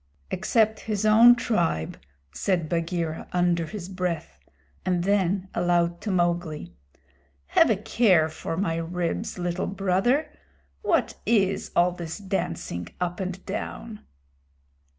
"Except his own tribe," said Bagheera, under his breath; and then aloud to Mowgli, "Have a care for my ribs, Little Brother! What is all this dancing up and down?"